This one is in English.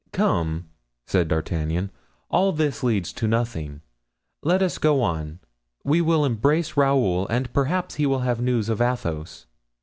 "Come," said D'Artagnan, "all this leads to nothing. Let us go on. We will embrace Raoul, and perhaps he will have news of Athos."